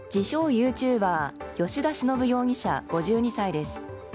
ユーチューバー吉田忍容疑者、５２歳です。